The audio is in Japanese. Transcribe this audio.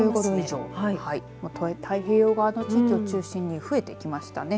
太平洋側の地域を中心に増えてきましたね。